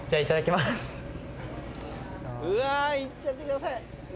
うわいっちゃってください